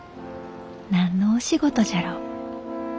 何のお仕事じゃろう。